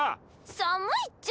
寒いっちゃ。